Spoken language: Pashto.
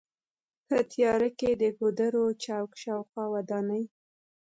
په تیاره کې د کوترو چوک شاوخوا ودانۍ.